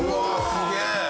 すげえ！